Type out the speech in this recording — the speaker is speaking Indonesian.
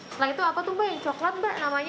setelah itu apa tuh mbak yang coklat mbak namanya